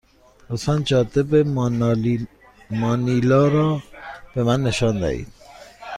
لطفا جاده به مانیلا را به من نشان دهید.